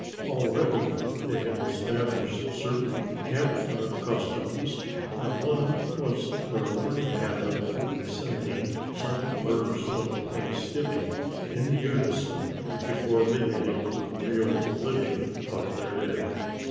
Already they had established certain Camp Fire customs, and one was their morning habit of reciting some verse of thanksgiving in unison before beginning the real living of their day.